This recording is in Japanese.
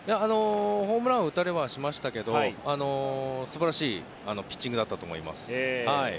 ホームランを打たれはしましたけど素晴らしいピッチングだったと思います。